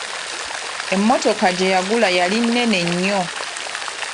Emmotoka gye yagula yali nnene nnyo.